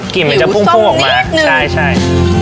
กลิ่นมันจะพุ่งออกมาใช่